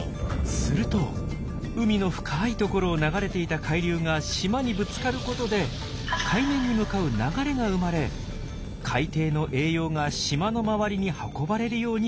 すると海の深いところを流れていた海流が島にぶつかることで海面に向かう流れが生まれ海底の栄養が島の周りに運ばれるようになりました。